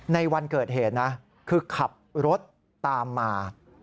ในวันเกิดเหตุนะคือขับรถตามมา